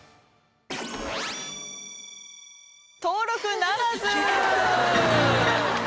登録ならず。